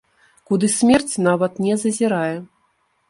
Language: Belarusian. Куды смерць нават не зазірае.